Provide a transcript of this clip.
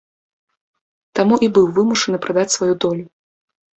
Таму і быў вымушаны прадаць сваю долю.